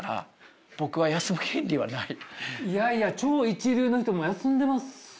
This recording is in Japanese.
いやいや超一流の人も休んでますよね。